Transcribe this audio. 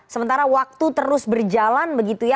sementara waktu terus berjalan begitu ya